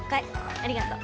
ありがとう。